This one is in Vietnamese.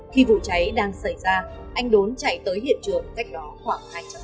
khi vụ cháy đang xảy ra anh đốn chạy tới hiện trường cách đó khoảng